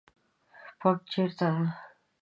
پمپ چیرته ده؟